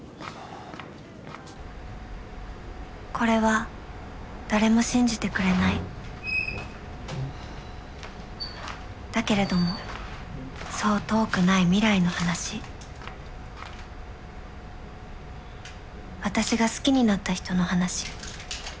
これは誰も信じてくれないだけれどもそう遠くない未来の話私が好きになった人の話。